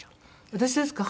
私ですか？